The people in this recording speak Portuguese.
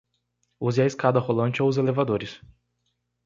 Use a escada rolante ou os elevadores